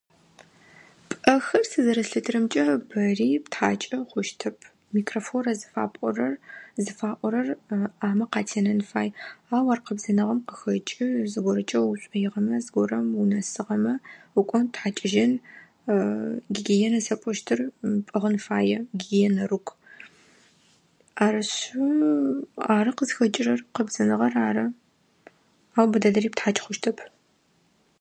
Пӏэхэр сэ зэрэслъытэрэмкӏэ бэри птхьакӏы хъущтэп. Микрофлора зыфапӏорэр зыфаӏорэр ӏэмэ къатенэн фай. Ау ар къэбзэныгъэм къыхэкӏы, зыгорэкӏэ уыушӏоигъэмэ, зыгорэм унэсыгъэмэ, укӏон птхьакӏыжьын, гигиена зыфэпӏощтыр пӏыгъын фае, гигиена рук. Арышъы ары къызхэкӏырэр къэбзэныгъэр ары. Ау бэдэдэри птхьакӏы хъущтэп.